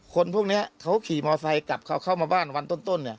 คนพวกนี้เขาขี่มอไซค์กลับเข้ามาบ้านวันต้นเนี่ย